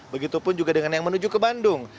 begitupun juga dengan yang menuju ke bandung